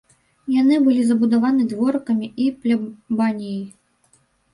Яны былі забудаваны дворыкам і плябаніяй.